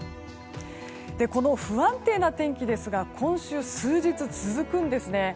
この不安定な天気ですが今週、数日続くんですね。